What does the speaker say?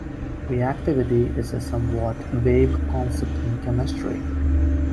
"Reactivity" is a somewhat vague concept in chemistry.